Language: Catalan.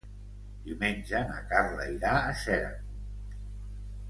Diumenge na Carla irà a Xeraco.